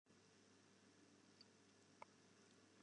Ik soe der grif net mei ynstimd hawwe as se my dat frege hiene.